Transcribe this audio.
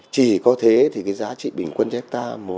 chỉ có thế thì cái giá trị bình quân cho hết ta